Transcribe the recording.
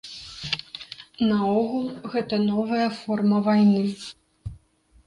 Наогул, гэта новая форма вайны.